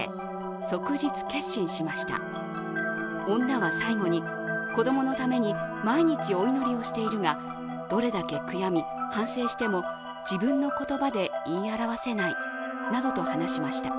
即日結審しました女は最後に、子供のために毎日お祈りをしているがどれだけ悔やみ、反省しても自分の言葉で言い表せないなどと話しました。